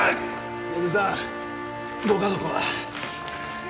根津さんご家族は？